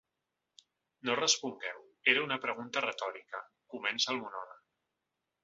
No respongueu, era una pregunta retòrica, comença el monòleg.